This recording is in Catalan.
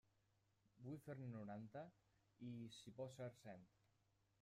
Vull fer-ne noranta i, si pot ser, cent.